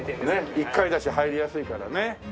１階だし入りやすいからね。